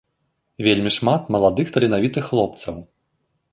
Вельмі шмат маладых таленавітых хлопцаў.